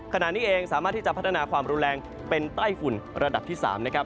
ขณะนี้เองสามารถที่จะพัฒนาความรุนแรงเป็นไต้ฝุ่นระดับที่๓นะครับ